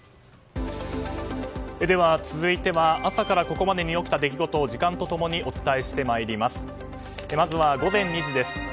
では、続いては朝からここまでに起きた出来事を時間と共にお伝えしてまいります。